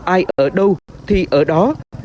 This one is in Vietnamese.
ai ở đâu thì ở đó